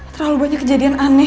terlalu banyak kejadian aneh